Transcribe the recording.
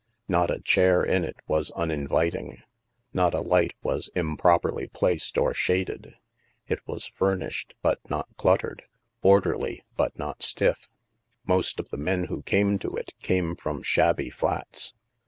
Not a chair in it was uninviting, not a light was improperly placed or shaded. It was furnished but not cluttered, or derly but not stiff. Most of the men who came to it came from shabby flats.